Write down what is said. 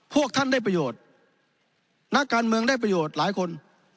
พวกท่านได้ประโยชน์นักการเมืองได้ประโยชน์หลายคน